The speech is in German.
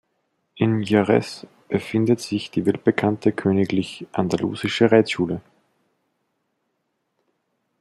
In Jerez befindet sich die weltbekannte Königlich-Andalusische Reitschule.